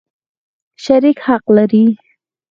شریک حق لري.